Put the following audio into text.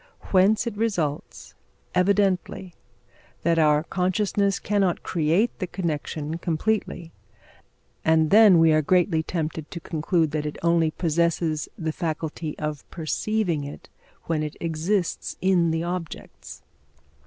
Whence it results, evidently, that our consciousness cannot create the connection completely, and then we are greatly tempted to conclude that it only possesses the faculty of perceiving it when it exists in the objects.